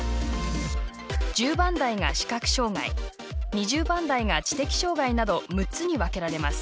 １０番台が視覚障がい２０番台が知的障がいなど６つに分けられます。